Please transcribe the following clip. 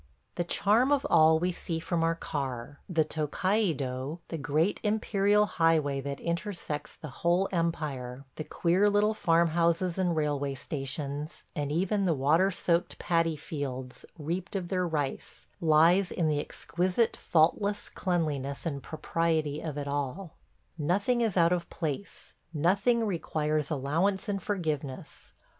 ... The charm of all we see from our car – the Tokaido (the great imperial highway that intersects the whole empire), the queer little farm houses and railway stations, and even the water soaked paddy fields, reaped of their rice – lies in the exquisite, faultless cleanliness and propriety of it all. Nothing is out of place; nothing requires allowance and forgiveness